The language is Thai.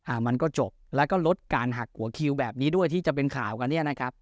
มันก็จบแล้วก็ลดการหักหัวคิวแบบนี้ด้วยที่จะเป็นข่าวกันเนี่ยนะครับ